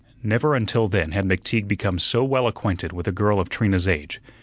Never until then had McTeague become so well acquainted with a girl of Trina's age.